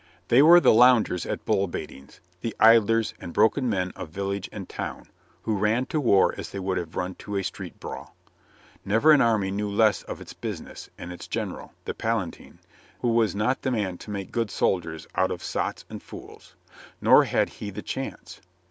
They were the loungers at bull baitings, the idlers and broken men of village and town, who ran to war as they would have run to a street brawl. Never an army knew less of its business, and its gen eral, the Palatine, was not the man to make good soldiers out of sots and fools. Nor had he the chance.